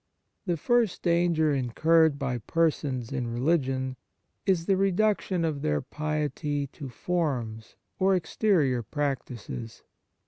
The first danger incurred by persons in religion is the reduction of their piety to forms or exterior practices.